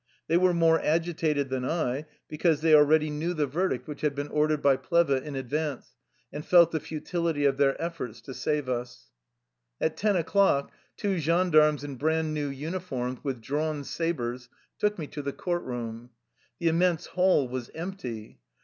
They were more agitated than I, because they already knew the verdict which 80 THE LIFE STOKY OF A EUSSIAN EXILE had been ordered by Plehve in advance, and felt the futility of their efforts to save us. At ten o'clock two gendarmes in brand new uniforms, with drawn sabers, took me to the court room. The immense hall was empty.